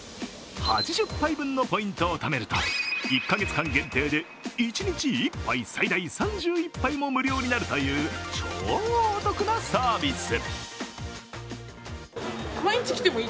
８０杯分のポイントをためると１か月間限定で、１日１杯、最大３１杯も無料になるという超お得なサービス。